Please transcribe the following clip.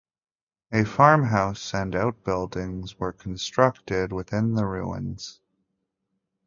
A farmhouse and outbuildings were constructed within the ruins.